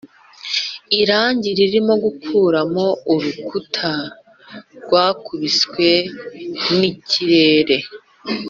irangi ririmo gukuramo urukuta rwakubiswe nikirere.